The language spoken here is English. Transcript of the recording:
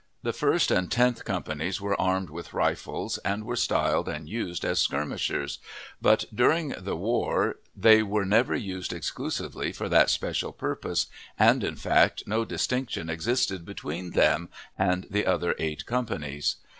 The first and tenth companies were armed with rifles, and were styled and used as "skirmishers;" but during 'the war they were never used exclusively for that special purpose, and in fact no distinction existed between them and the other eight companies.